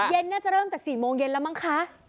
เย็นน่าจะเริ่มตั้งสี่โมงเย็นแล้วมั้งคะ